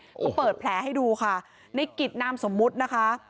เขาเปิดแผลให้ดูค่ะในกิจนามสมมุตินะคะ